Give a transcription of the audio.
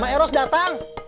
mak iros datang